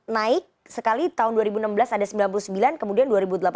naik sekali tahun dua ribu enam belas ada sembilan puluh sembilan kemudian dua ribu delapan belas